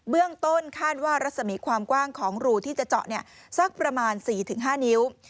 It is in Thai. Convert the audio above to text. เบื้องต้นคาดว่ารัศมีความกว้างของรูที่จะเจาะสักประมาณ๔๕นิ้ว